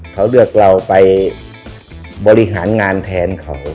เขาเลือกเราไปบริหารงานแทนเขา